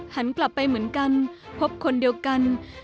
หันกลับไปเหมือนกันพบคนเดียวกัน